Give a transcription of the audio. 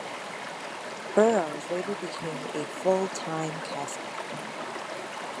Burrows later became a full-time cast member.